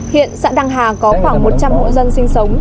hiện xã đăng hà có khoảng một trăm linh hộ dân sinh sống